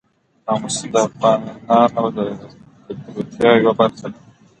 آمو سیند د افغانانو د ګټورتیا یوه برخه ده.